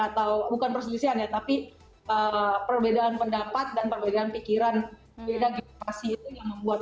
atau bukan perselisihan ya tapi perbedaan pendapat dan perbedaan pikiran beda generasi itu yang membuat